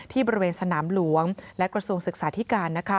บริเวณสนามหลวงและกระทรวงศึกษาธิการ